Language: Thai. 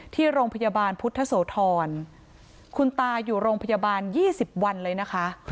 ที่โรงพยาบาลพุทธโสธรคุณตาอยู่โรงพยาบาล๒๐วันเลยนะคะ